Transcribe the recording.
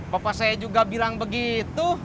bapak saya juga bilang begitu